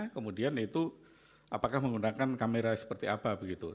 kemudian itu apakah menggunakan kamera seperti apa begitu